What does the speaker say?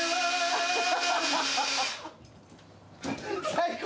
・最高！